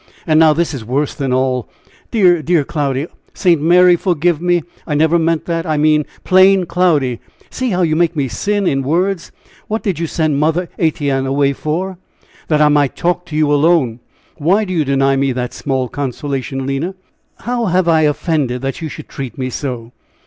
And now this is worse than all. Dear, dear Cloudy! St. Mary, forgive me, I never meant that I meant plain Cloudy see how you make me sin in words! What did you send Mother Ettienne away for?" "That I might talk to you alone. Why do you deny me that small consolation, Lina? How have I offended, that you should treat me so?"